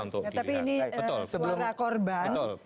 tapi ini suara korban